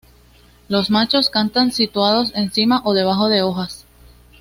Los machos cantan situados encima o debajo de hojas.